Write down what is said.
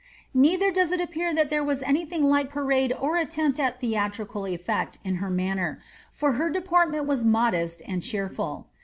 '' Neither does it appear that there was any thing like parade or attempt at theatrical efi*ect in her manner, for her deportment was modest and cheerful.